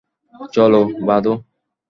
চলো, বাঁধো।